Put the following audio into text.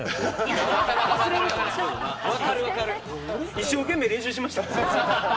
一生懸命練習しました。